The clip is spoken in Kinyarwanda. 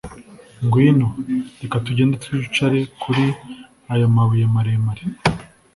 ngwino! reka tugende twicare kuri ayo mabuye maremare